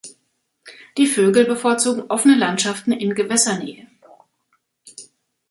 Die Vögel bevorzugen offene Landschaften in Gewässernähe.